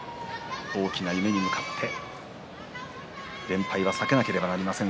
大きな夢に向かって連敗は避けなければいけません